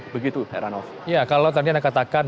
begitu heranov ya kalau tadi anda katakan